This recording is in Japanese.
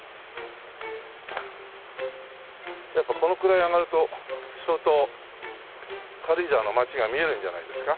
やっぱこのくらい上がると相当軽井沢の街が見えるんじゃないですか？